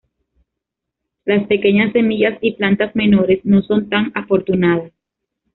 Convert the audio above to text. Las pequeñas semillas y plantas menores no son tan afortunadas.